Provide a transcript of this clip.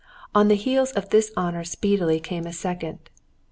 On the heels of this honour speedily came a second.